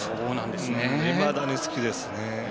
いまだに好きですね。